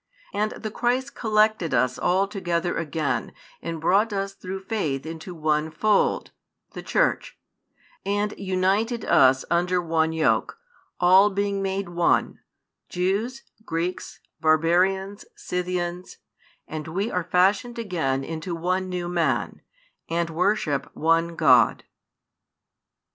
And the Christ collected us all together again and brought us through faith into one fold, the Church; and united us under one yoke, all being made one, Jews, Greeks, Barbarians, Scythians; and we are fashioned again into one new man, and worship one God.